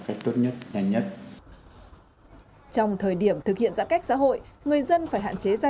phải tốt nhất nhanh nhất trong thời điểm thực hiện giãn cách xã hội người dân phải hạn chế ra